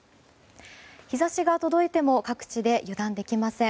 日差しが届いても各地で油断できません。